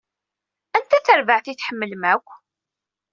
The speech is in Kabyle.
Anta tarbaɛt i tḥemmlem akk?